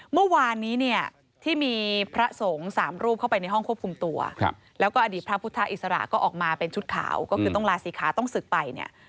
เมื่อวานนี้เนี่ยที่มีพระสงฆ์สามรูปเข้าไปในห้องควบคุมตัวแล้วก็อดีตพระพุทธอิสระก็ออกมาเป็นชุดขาวก็คือต้องลาศีขาต้องศึกไปเนี่ย